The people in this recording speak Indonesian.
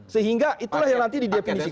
sehingga itulah yang nanti didefinisikan